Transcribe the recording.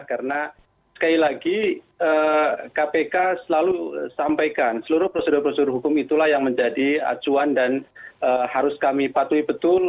karena sekali lagi kpk selalu sampaikan seluruh prosedur prosedur hukum itulah yang menjadi acuan dan harus kami patuhi betul